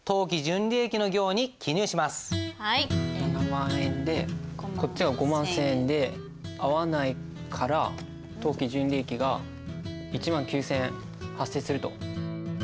７万円でこっちが５万１，０００円で合わないから当期純利益が１万９，０００円発生すると。